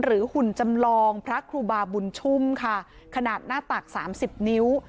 หุ่นจำลองพระครูบาบุญชุ่มค่ะขนาดหน้าตักสามสิบนิ้ว